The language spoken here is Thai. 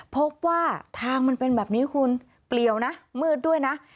พบว่าทางมันเป็นแบบนี้คุณเปลี่ยวนะมืดด้วยนะ